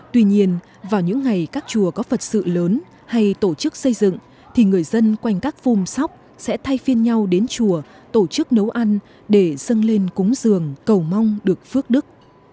tuy nhiên vào những ngày các chùa có vật sự lớn hay tổ chức xây dựng thì người dân quanh các phung sóc sẽ thay phiên nhau đến chùa tổ chức nấu ăn để dâng lên cúng giường cầu mong được phước đức